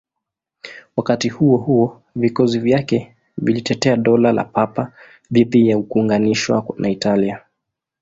Wakati huo huo, vikosi vyake vilitetea Dola la Papa dhidi ya kuunganishwa na Italia.